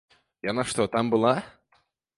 Яна што, там была?